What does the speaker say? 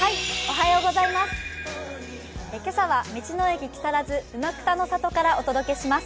今朝は道の駅木更津うまくたの里からお伝えします。